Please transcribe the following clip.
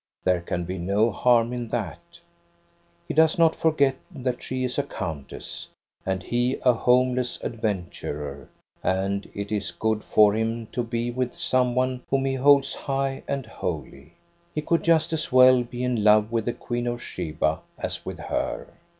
There can be no harm in that. He does not forget that she is a countess, and }ie a home less adventurer; and it is good for him to be with some one whom he holds high and holy. He could EBB A DOHNA'S STORY. 217 just as well be in love with the Queen of Sheba as with her.